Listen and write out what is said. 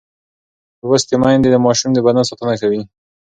لوستې میندې د ماشوم د بدن ساتنه کوي.